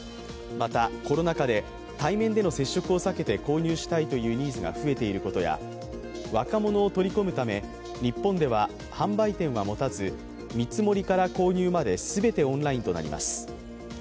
またコロナ禍で対面での接触を避けて購入したいというニーズが増えていることや若者を取り込むため、日本では販売店は持たず見積もりから購入まで全てオンラインとなります。